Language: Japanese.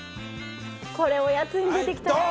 これおやつに出てきたら。